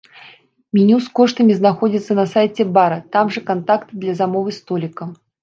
Меню з коштамі знаходзіцца на сайце бара, там жа кантакты для замовы століка.